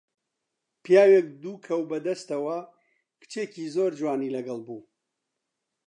پیاوێک دوو کەو بە دەستەوە، کچێکی زۆر جوانی لەگەڵ بوو